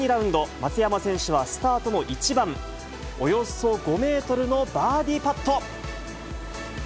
松山選手はスタートの１番、およそ５メートルのバーディーパット。